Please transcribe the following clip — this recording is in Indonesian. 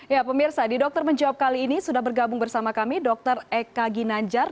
ya pemirsa di dokter menjawab kali ini sudah bergabung bersama kami dr eka ginanjar